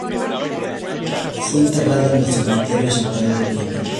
Fue enterrado en el Cementerio central de Viena.